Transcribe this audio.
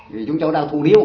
vì chúng cháu đang thủ điệu